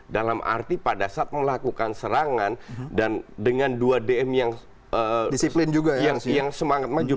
dalam arti pada saat melakukan serangan dan dengan dua dm yang semangat maju